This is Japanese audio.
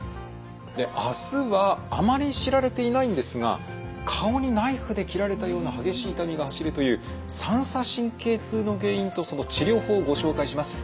あすはあまり知られていないんですが顔にナイフで切られたような激しい痛みが走るという三叉神経痛の原因とその治療法ご紹介します。